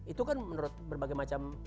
itu kan menurut berbagai macam